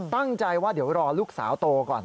ตั้งใจว่าเดี๋ยวรอลูกสาวโตก่อน